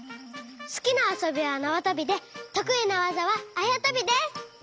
すきなあそびはなわとびでとくいなわざはあやとびです！